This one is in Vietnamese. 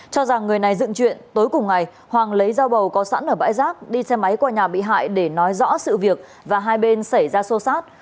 cho rằng người này dựng chuyện tối cùng ngày hoàng lấy dao bầu có sẵn ở bãi rác đi xe máy qua nhà bị hại để nói rõ sự việc và hai bên xảy ra xô xát